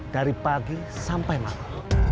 dari pagi sampai malam